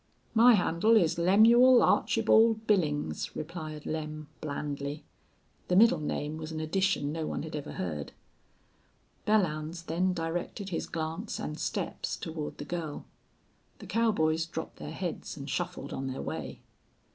"My handle is Lemuel Archibawld Billings," replied Lem, blandly. The middle name was an addition no one had ever heard. Belllounds then directed his glance and steps toward the girl. The cowboys dropped their heads and shuffled on their way.